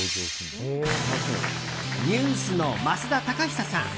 ＮＥＷＳの増田貴久さん